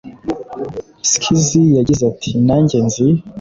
Skizzy yagize ati``Nanjye nzi